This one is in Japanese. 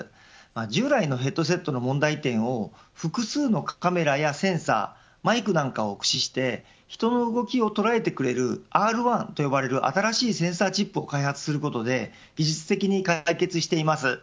従来のヘッドセットの問題点を複数のカメラやセンサーマイクを駆使して人の動きをとらえてくれるＲ１と呼ばれる新しいセンターチップを開発することで技術的に解決しています。